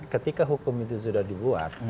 ketika hukum itu sudah dibuat